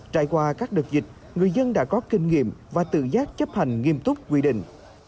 trải qua các đợt dịch người dân đã có kinh nghiệm và tự giác chấp hành nghiêm túc quy định